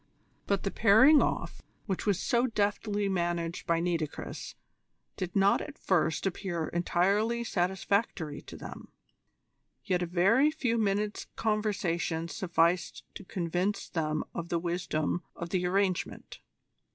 But the pairing off, which was so deftly managed by Nitocris, did not at first appear entirely satisfactory to them, yet a very few minutes' conversation sufficed to convince them of the wisdom of the arrangement.